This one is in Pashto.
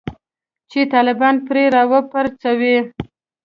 چې طالبان پرې راوپرځوي